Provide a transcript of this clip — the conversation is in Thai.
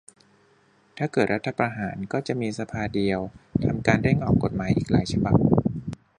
ถ้าเกิดรัฐประหารก็จะมีสภาเดียวทำการเร่งออกกฎหมายอีกหลายฉบับ